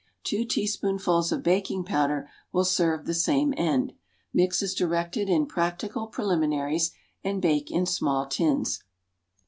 Two teaspoonfuls of baking powder will serve the same end. Mix as directed in "Practical Preliminaries," and bake in small tins.